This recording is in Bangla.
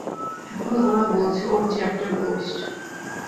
এখন ওরা বলছে ওর চ্যাপ্টার ক্লোজড।